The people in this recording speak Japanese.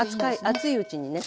熱いうちにね。